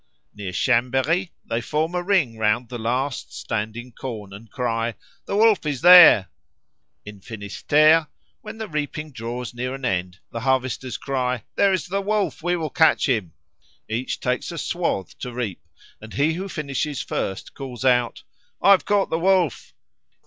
Near Chambéry they form a ring round the last standing corn, and cry, "The Wolf is in there." In Finisterre, when the reaping draws near an end, the harvesters cry, "There is the Wolf; we will catch him." Each takes a swath to reap, and he who finishes first calls out, "I've caught the Wolf."